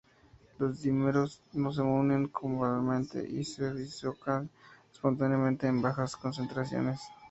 Los dímeros no se unen covalentemente y se disocian espontáneamente en bajas concentraciones.